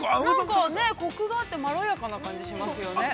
◆なんかね、コクがあってまろやかな感じがしますよね。